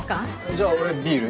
じゃあ俺ビール。